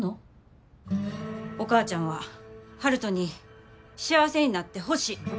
お母ちゃんは悠人に幸せになってほしい。